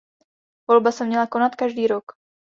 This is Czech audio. Volba se měla konat každý rok.